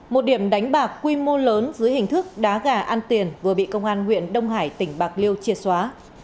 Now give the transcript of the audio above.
một điểm đánh bạc quy mô lớn dưới hình thức đá gà ăn tiền vừa bị công an huyện đông hải tỉnh bạc liêu triệt xóa